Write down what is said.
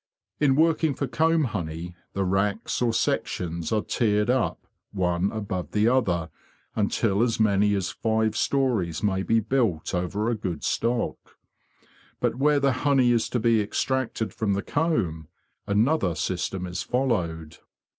In working for comb honey, the racks or sections are tiered up one above the other until as many as five stories may be built over a good stock. But where the honey is to be extracted from the comb another system is followed.